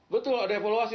betul ada evaluasi